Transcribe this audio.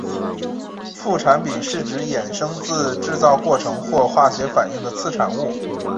副产品是指衍生自制造过程或化学反应的次产物。